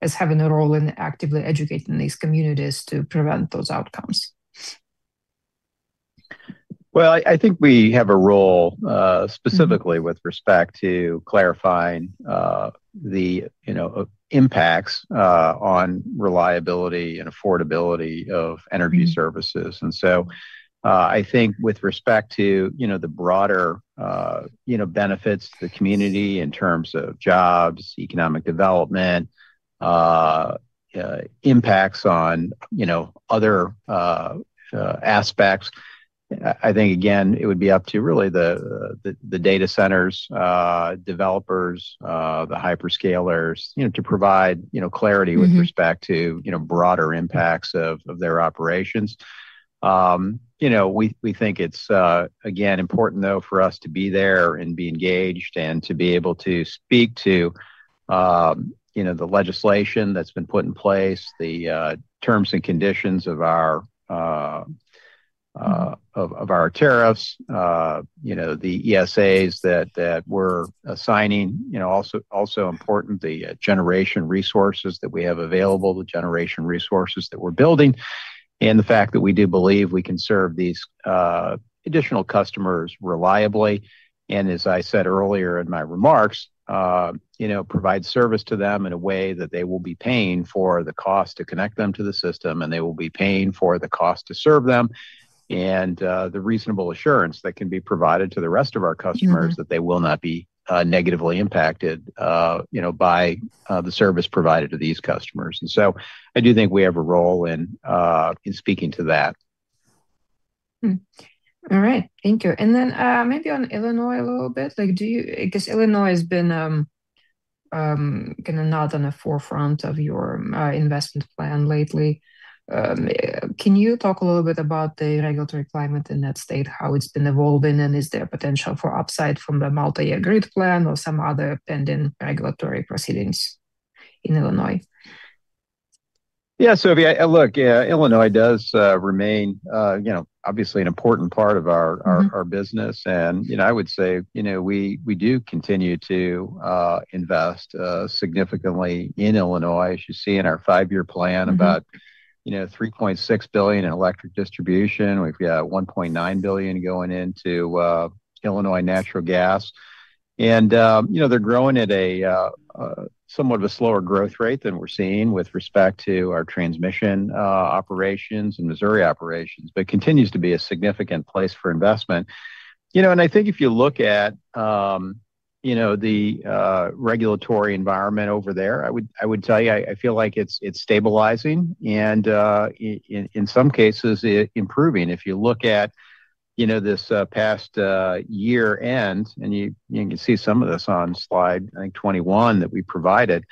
as having a role in actively educating these communities to prevent those outcomes? Well, I think we have a role specifically with respect to clarifying the you know impacts on reliability and affordability of energy services. And so, I think with respect to you know the broader you know benefits to the community in terms of jobs, economic development impacts on you know other aspects, I think again it would be up to really the data centers developers the hyperscalers you know to provide you know clarity with respect to you know broader impacts of their operations. You know, we think it's again important though for us to be there and be engaged and to be able to speak to, you know, the legislation that's been put in place, the terms and conditions of our tariffs, you know, the ESAs that we're assigning. You know, also, also important, the generation resources that we have available, the generation resources that we're building, and the fact that we do believe we can serve these additional customers reliably, and as I said earlier in my remarks, you know, provide service to them in a way that they will be paying for the cost to connect them to the system, and they will be paying for the cost to serve them, and the reasonable assurance that can be provided to the rest of our customers- Mm-hmm... that they will not be negatively impacted, you know, by the service provided to these customers. And so I do think we have a role in speaking to that. Hmm. All right. Thank you. And then, maybe on Illinois a little bit, like, because Illinois has been kind of not on the forefront of your investment plan lately. Can you talk a little bit about the regulatory climate in that state, how it's been evolving, and is there potential for upside from the multi-year grid plan or some other pending regulatory proceedings in Illinois? Yeah, Sophie, look, Illinois does remain, you know, obviously an important part of our- Mm-hmm... our business. You know, I would say, you know, we do continue to invest significantly in Illinois. As you see in our five-year plan- Mm-hmm... about, you know, $3.6 billion in electric distribution. We've got $1.9 billion going into Illinois natural gas. And, you know, they're growing at a somewhat of a slower growth rate than we're seeing with respect to our transmission operations and Missouri operations, but continues to be a significant place for investment. You know, and I think if you look at, you know, the regulatory environment over there, I would tell you, I feel like it's stabilizing and in some cases, it improving. If you look at, you know, this past year end, and you can see some of this on slide 21 that we provided.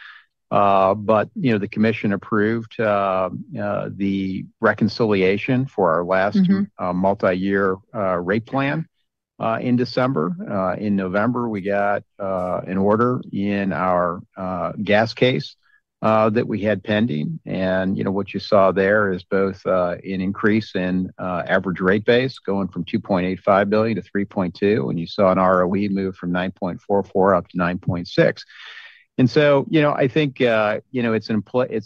But, you know, the commission approved the reconciliation for our last- Mm-hmm multi-year rate plan in December. In November, we got an order in our gas case that we had pending. And, you know, what you saw there is both an increase in average rate base, going from $2.85 billion to $3.2 billion, and you saw an ROE move from 9.44% to 9.6%. And so, you know, I think, you know, it's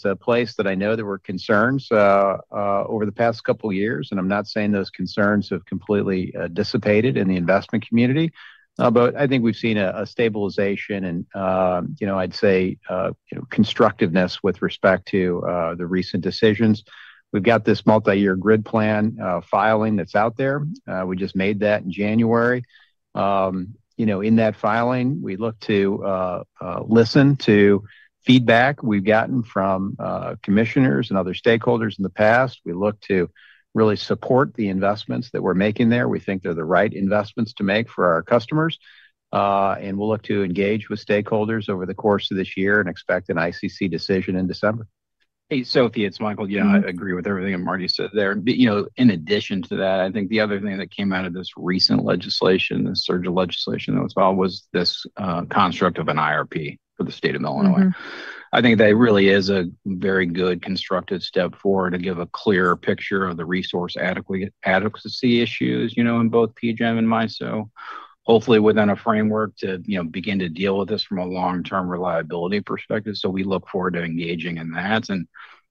a place that I know there were concerns over the past couple of years, and I'm not saying those concerns have completely dissipated in the investment community. But I think we've seen a stabilization and, you know, I'd say, you know, constructiveness with respect to the recent decisions. We've got this multi-year grid plan filing that's out there. We just made that in January. You know, in that filing, we look to listen to feedback we've gotten from commissioners and other stakeholders in the past. We look to really support the investments that we're making there. We think they're the right investments to make for our customers. And we'll look to engage with stakeholders over the course of this year and expect an ICC decision in December. Hey, Sophie, it's Michael. Yeah, I agree with everything that Marty said there. But, you know, in addition to that, I think the other thing that came out of this recent legislation, this surge of legislation that was filed, was this, construct of an IRP for the state of Illinois. Mm-hmm. I think that really is a very good constructive step forward to give a clearer picture of the resource adequacy issues, you know, in both PJM and MISO, hopefully within a framework to, you know, begin to deal with this from a long-term reliability perspective. So we look forward to engaging in that, and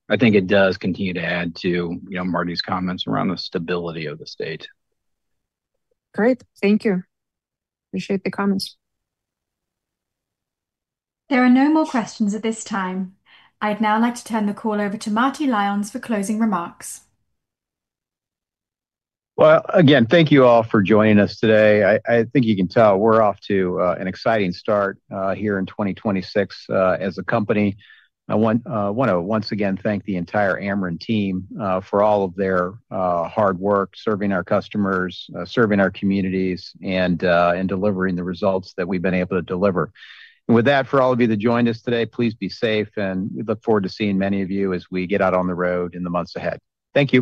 I think it does continue to add to, you know, Marty's comments around the stability of the state. Great. Thank you. Appreciate the comments. There are no more questions at this time. I'd now like to turn the call over to Marty Lyons for closing remarks. Well, again, thank you all for joining us today. I think you can tell we're off to an exciting start here in 2026 as a company. I want to once again thank the entire Ameren team for all of their hard work, serving our customers, serving our communities, and delivering the results that we've been able to deliver. And with that, for all of you that joined us today, please be safe, and we look forward to seeing many of you as we get out on the road in the months ahead. Thank you.